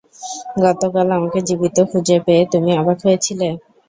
গতকাল আমাকে জীবিত খুঁজে পেয়ে তুমি অবাক হয়েছিলে।